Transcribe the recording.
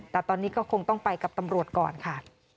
แต่ตอนนี้ก็คงต้องไปกับตำรวจก่อนค่ะ